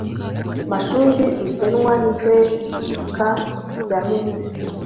mashuri rugenwa n iteka rya minisitiri